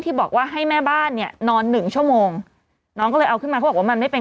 บอกว่าให้แม่บ้านเนี่ยนอนหนึ่งชั่วโมงน้องก็เลยเอาขึ้นมาเขาบอกว่ามันไม่เป็น